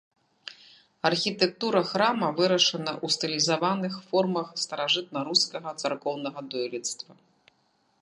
Архітэктура храма вырашана ў стылізаваных формах старажытнарускага царкоўнага дойлідства.